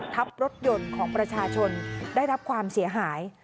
ทับรถยนต์ของประชาชนได้รับความเสียหาย